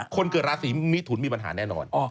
คนเกิดราศีมิถุนมีปัญหาแน่นอน